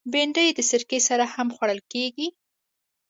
بېنډۍ د سرکه سره هم خوړل کېږي